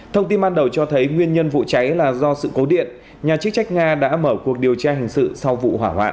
thông tin ban đầu cho thấy nguyên nhân vụ cháy là do sự cố điện nhà chức trách nga đã mở cuộc điều tra hình sự sau vụ hỏa hoạn